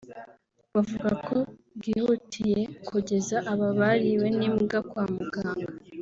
buvuga ko bwihutiye kugeza aba bariwe n’imbwa kwa muganga